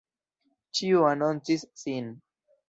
Ĉiu anoncis sin.